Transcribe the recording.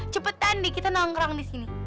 cepetan deh kita nongkrong disini